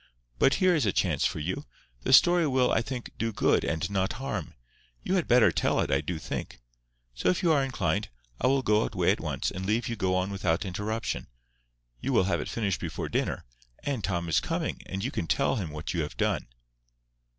But here is a chance for you. The story will, I think, do good, and not harm. You had better tell it, I do think. So if you are inclined, I will go away at once, and let you go on without interruption. You will have it finished before dinner, and Tom is coming, and you can tell him what you have done."